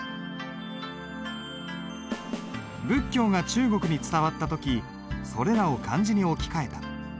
仏教が中国に伝わった時それらを漢字に置き換えた。